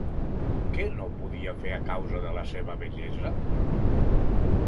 Què no podia fer a causa de la seva vellesa?